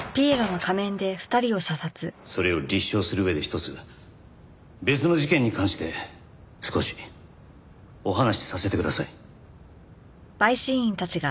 それを立証する上で一つ別の事件に関して少しお話しさせてください。